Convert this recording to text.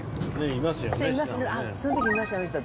見ました。